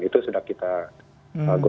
itu sudah kita godongkan